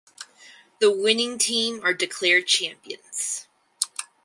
The winning team are declared champions.